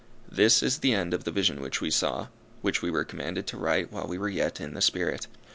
This is the end of the vision which we saw, which we were commanded to write while we were yet in the Spirit.